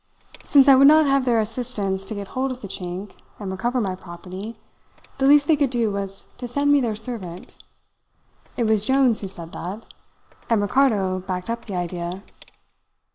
"Since I would not have their assistance to get hold of the Chink and recover my property, the least they could do was to send me their servant. It was Jones who said that, and Ricardo backed up the idea.